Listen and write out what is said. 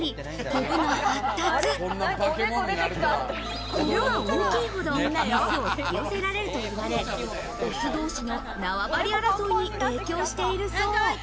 コブが大きいほどメスを引き寄せられるといわれ、オス同士の縄張り争いに影響しているそう。